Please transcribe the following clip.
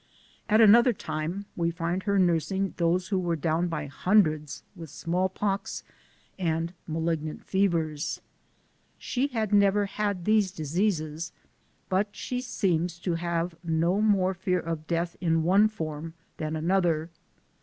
At another time, we find her nursing those who were down by hundreds with small pox and ma lignant fevers. She had never had these diseases, but she seems to have no more fear of death in one form than another.